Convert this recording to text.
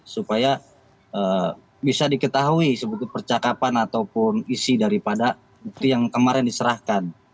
supaya bisa diketahui sebut percakapan ataupun isi daripada bukti yang kemarin diserahkan